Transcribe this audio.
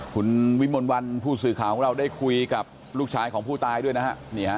คุณวิมลวันผู้สื่อข่าวของเราได้คุยกับลูกชายของผู้ตายด้วยนะฮะ